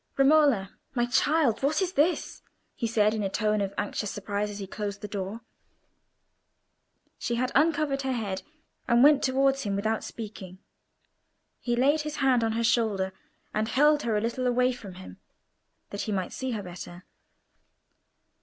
"Romola, my child, what is this?" he said, in a tone of anxious surprise as he closed the door. She had uncovered her head and went towards him without speaking. He laid his hand on her shoulder, and held her a little way from him that he might see her better.